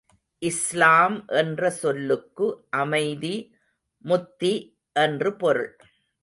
இஸ்லாம் என்ற சொல்லுக்கு அமைதி, முத்தி என்று பொருள்.